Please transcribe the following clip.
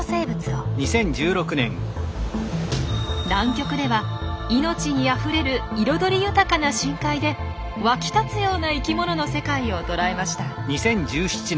南極では命にあふれる彩り豊かな深海で沸き立つような生きものの世界を捉えました。